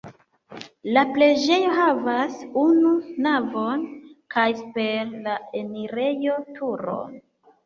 La preĝejo havas unu navon kaj super la enirejo turon.